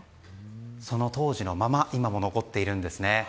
その当時のまま今も残っているんです。